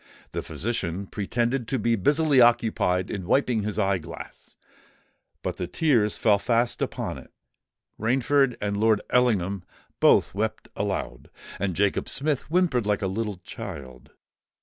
The physician pretended to be busily occupied in wiping his eye glass; but the tears fell fast upon it:—Rainford and Lord Ellingham both wept aloud; and Jacob Smith whimpered like a little child.